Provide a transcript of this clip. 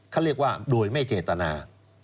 เขาเรียกว่าโดยไม่เจตนา